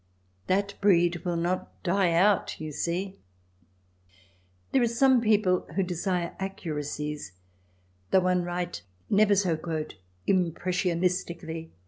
That breed will not die out, you see. There are some people who desire accuracies though one write never so "impressionalistically."